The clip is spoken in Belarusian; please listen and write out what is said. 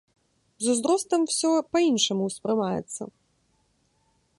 З узростам усё па-іншаму ўспрымаецца.